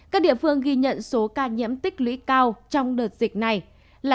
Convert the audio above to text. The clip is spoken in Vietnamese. các địa phương ghi nhận số ca nhiễm tích lũy cao trong đợt dịch này là